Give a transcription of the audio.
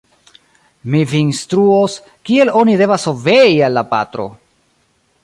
Mi vin instruos, kiel oni devas obei al la patro!